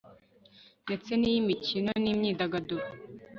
ndetse n'iy'imikino n'imyidagaduro